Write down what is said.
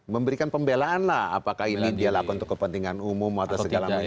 memberikan pembelaan lah apakah ini dia lakukan untuk kepentingan umum atau segala macam